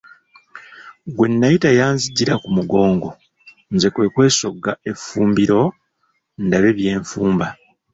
Gwe nayita yanzijira ku mugongo nze kwe kwesogga effumbiro ndabe bye nfumba.